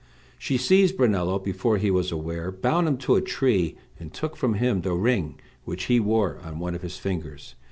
She seized Brunello before he was aware, bound him to a tree, and took from him the ring which he wore on one of his fingers.